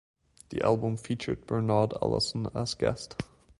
The album featured Bernard Allison as guest.